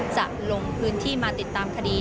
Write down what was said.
จะลงพื้นที่มาติดตามคดี